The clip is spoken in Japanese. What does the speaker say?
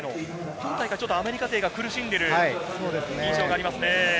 今回、アメリカ勢が苦しんでいる印象がありますね。